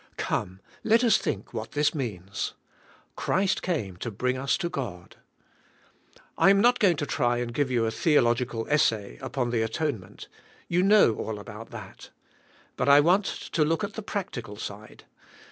Come, let us think what this means. Christ came to bring us to God. I am not going to try and give you a theolog ical essay upon the atonement. You know all about that. But I want to look at the practical side.